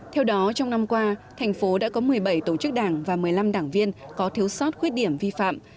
theo đó trong năm qua thành phố đã có một mươi bảy tổ chức đảng và một mươi năm đảng viên có thiếu sót khuyết điểm vi phạm